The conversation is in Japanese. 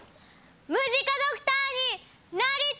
ムジカドクターになりたい！